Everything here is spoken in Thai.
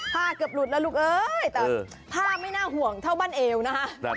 เกือบหลุดแล้วลูกเอ้ยแต่ผ้าไม่น่าห่วงเท่าบ้านเอวนะคะ